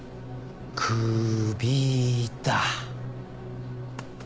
クビだ。